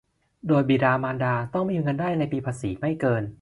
โดยบิดามารดาต้องมีเงินได้ในปีภาษีไม่เกิน